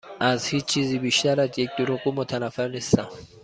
از هیچ چیزی بیشتر از یک دروغگو متنفر نیستم.